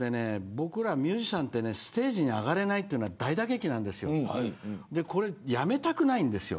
僕らミュージシャンってねステージに上がれないってのは大打撃なんですよこれやめたくないんですよ。